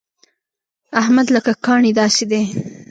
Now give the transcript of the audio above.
احمد لکه کاڼی داسې دی.